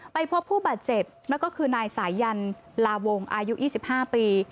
ไปพบผู้บาดเจ็บนั่นก็คือนายสายันลาวงอายุ๒๕ปี